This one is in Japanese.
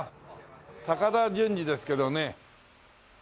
高田純次ですけどね。